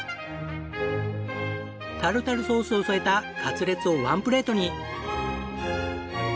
タルタルソースを添えたカツレツをワンプレートに！